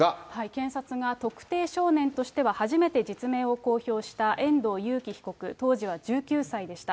検察が特定少年としては初めて実名を公表した遠藤裕喜被告、当時は１９歳でした。